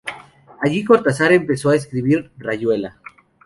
Allí Cortázar empezó a escribir "Rayuela".